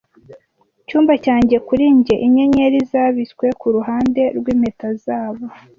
Icyumba cyanjye kuri njye inyenyeri zabitswe kuruhande rwimpeta zabo,